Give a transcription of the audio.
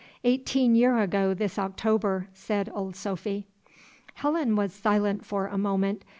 "Eighteen year ago this October," said Old Sophy. Helen was silent for a moment.